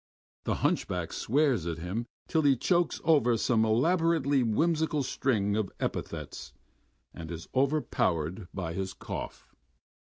The hunchback swears at him, till he chokes over some elaborately whimsical string of epithets and is overpowered by his cough.